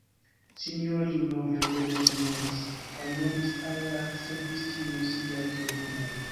Sinjorino Herbeno sonoris, kaj donis al la servistino siajn ordonojn.